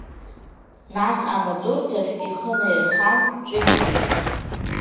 Нас амаҵурҭахь ихы наирхан ҿиҭит…